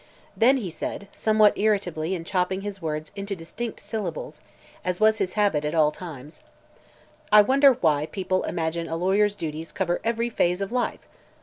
Then he said, somewhat irritably and chopping his words into distinct syllables, as was his habit at all times: "I wonder why people imagine a lawyer's duties cover every phase of life?